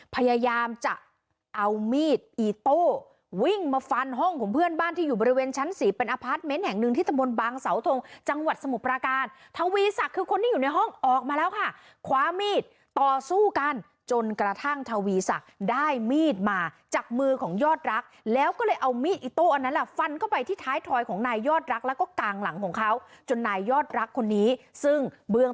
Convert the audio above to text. พยายามจะเอามีดอีโต้วิ่งมาฟันห้องของเพื่อนบ้านที่อยู่บริเวณชั้นสี่เป็นอพาร์ทเมนต์แห่งหนึ่งที่ตะบนบางเสาทงจังหวัดสมุทรปราการทวีศักดิ์คือคนที่อยู่ในห้องออกมาแล้วค่ะคว้ามีดต่อสู้กันจนกระทั่งทวีศักดิ์ได้มีดมาจากมือของยอดรักแล้วก็เลยเอามีดอิโต้อันนั้นแหละฟันเข้าไปที่ท้ายถอยของนายยอดรักแล้วก็กางหลังของเขาจนนายยอดรักคนนี้ซึ่งเบื้อง